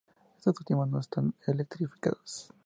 Estas últimas no están electrificadas.